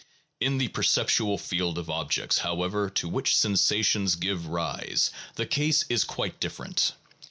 In the perceptual field of objects, however, to which sensations give rise, the case is quite different.